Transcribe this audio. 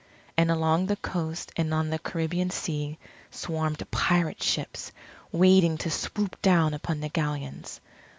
And along the coast and on the Caribbean Sea, swarmed pirate ships waiting to swoop down upon the Galleons.